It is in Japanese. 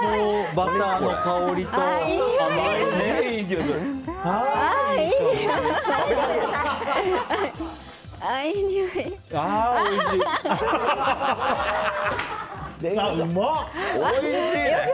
バターの香りと、甘いね。